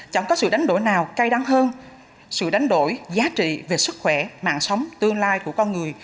chẳng có sự đánh đổi nào cay đắng hơn sự đánh đổi giá trị về sức khỏe mạng sống tương lai của con người